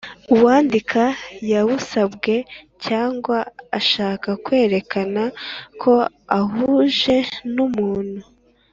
uwandika yawusabwe cyangwa ashaka kwerekana ko uhuje n’umuntu